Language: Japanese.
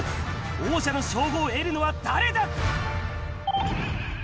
王者の称号を得るのは誰だ？